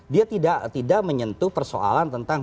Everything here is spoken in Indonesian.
dia tidak menyentuh persoalan tentang